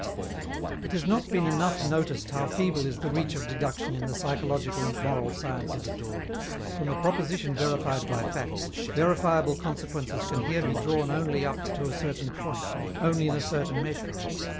It has not been enough noticed how feeble is the reach of deduction in the psychological and moral sciences. From a proposition verified by facts, verifiable consequences can here be drawn only up to a certain point, only in a certain measure.